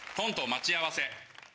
「待ち合わせ」。